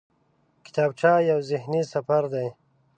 کتابچه یو ذهني سفر دی